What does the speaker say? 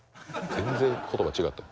全然言葉違った。